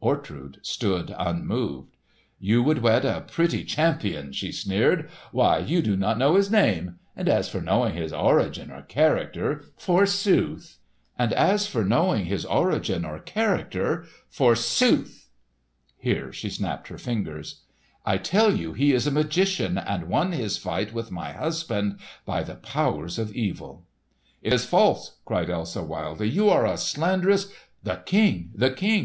Ortrud stood unmoved. "You would wed a pretty champion!" she sneered. "Why, you do not know his name! And as for knowing his origin or character—forsooth!" (Here she snapped her fingers.) "I tell you he is a magician, and won his fight with my husband by the powers of evil!" "It is false!" cried Elsa wildly. "You are a slanderous——" "The King! the King!"